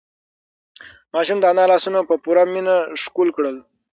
ماشوم د انا لاسونه په پوره مینه ښکل کړل.